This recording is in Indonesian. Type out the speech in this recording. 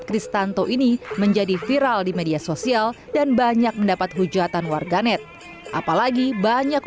kristanto ini menjadi viral di media sosial dan banyak mendapat hujatan warganet apalagi banyak